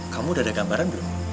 kamu udah ada gambaran belum